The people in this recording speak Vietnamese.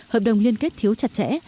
hợp đồng liên kết thiếu chặt chẽ